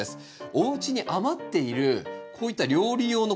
おうちに余っているこういった料理用のココットですよね。